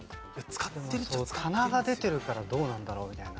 棚が出てるからどうなんだろうみたいな。